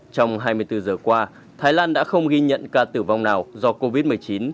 trong hai mươi bốn giờ qua thái lan đã không ghi nhận ca tử vong nào do covid một mươi chín